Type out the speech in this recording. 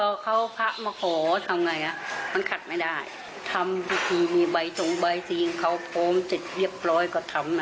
ก็เขาพระมาขอทำไงมันขัดไม่ได้ทำที่ทีมีใบสงมายซีเชียงเค้าพร้อมเสร็จเรียบร้อยก็ทำแล้วนะ